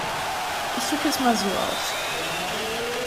Ich drücke es mal so aus.